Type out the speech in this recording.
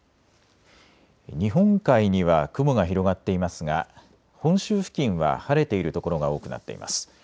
日本海には雲が広がっていますが本州付近は晴れている所が多くなっています。